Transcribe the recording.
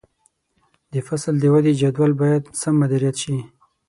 د فصل د ودې جدول باید سم مدیریت شي.